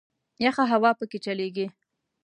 یخه هوا په کې چلیږي.